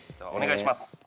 お願いします